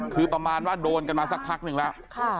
คือประมาณว่าโดนกันมาสักพักหนึ่งแล้ว